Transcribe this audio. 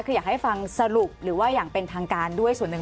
คืออยากให้ฟังสรุปหรือว่าอย่างเป็นทางการด้วยส่วนหนึ่ง